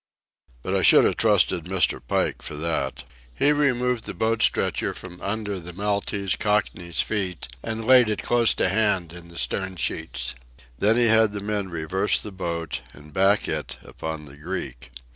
But I should have trusted Mr. Pike for that. He removed the boat stretcher from under the Maltese Cockney's feet and laid it close to hand in the stern sheets. Then he had the men reverse the boat and back it upon the Greek.